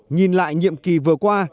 nhìn lại nhiệm kỳ vừa qua